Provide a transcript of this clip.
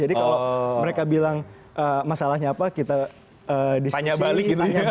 jadi kalau mereka bilang masalahnya apa kita diskusi tanya balik